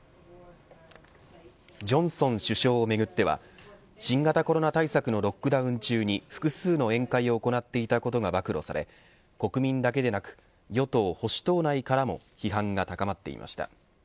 ジョンソン首相をめぐっては新型コロナ対策のロックダウン中に複数の宴会を行っていたことが暴露され国民だけでなく与党、保守党内からも批判が高まっていました。